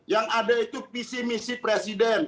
yang ada itu visi misi presiden